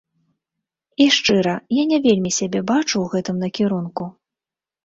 І шчыра, я не вельмі сябе бачу ў гэтым накірунку.